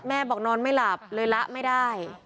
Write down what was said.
บอกนอนไม่หลับเลยละไม่ได้